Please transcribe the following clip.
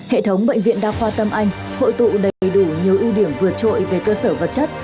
hệ thống bệnh viện đa khoa tâm anh hội tụ đầy đủ nhiều ưu điểm vượt trội về cơ sở vật chất